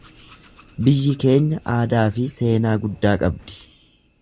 Biyyi keenya aadaa fi seenaa guddaa qabdi.